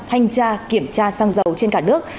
hành tra kiểm tra săng dầu trên cả nước